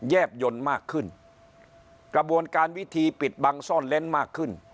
บยนต์มากขึ้นกระบวนการวิธีปิดบังซ่อนเล้นมากขึ้น